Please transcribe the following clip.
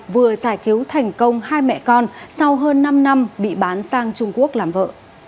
vừa giải cứu thành công hai mẹ con sau hơn năm năm bị bán sang trung quốc làm vợ